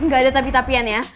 nggak ada tapi tapian ya